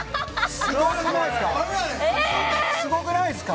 品川：すごくないですか？